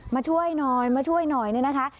มาช่วยน้อยมาช่วยน้อยนี่นะคะ